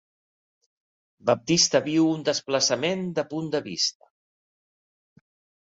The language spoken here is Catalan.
Baptista viu un desplaçament de punt de vista.